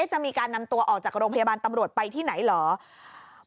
จะมีการนำตัวออกจากโรงพยาบาลตำรวจไปที่ไหนเหรอ